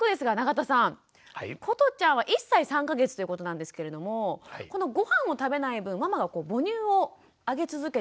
ことちゃんは１歳３か月ということなんですけれどもこのごはんを食べない分ママが母乳をあげ続けているという。